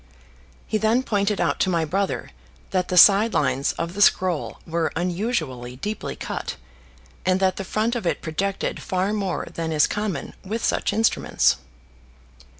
He then pointed out to my brother that the side lines of the scroll were unusually deeply cut, and that the front of it projected far more than is common with such instruments.